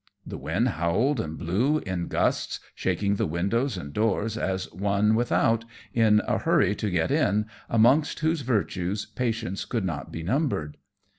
The wind howled and blew in gusts, shaking the windows and doors as one without, in a hurry to get in, amongst whose virtues patience could not be numbered.